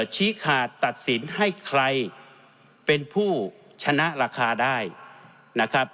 ชี้ขาดตัดสินให้ใครเป็นผู้ชนะราคาได้นะครับ